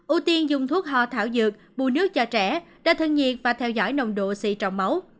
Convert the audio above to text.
ưu tiên dùng thuốc ho thảo dược bù nước cho trẻ đa thân nhiệt và theo dõi nồng độ c trong máu